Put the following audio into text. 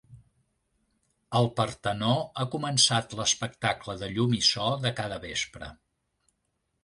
Al Partenó ha començat l'espectacle de llum i so de cada vespre.